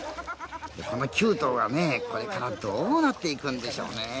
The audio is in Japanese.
９頭は、これからどうなっていくんでしょうね。